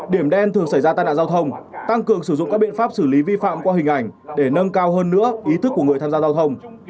điểm đen thường xảy ra tai nạn giao thông tăng cường sử dụng các biện pháp xử lý vi phạm qua hình ảnh để nâng cao hơn nữa ý thức của người tham gia giao thông